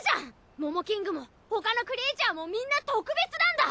モモキングも他のクリーチャーもみんな特別なんだ！